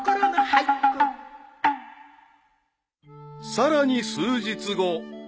［さらに数日後］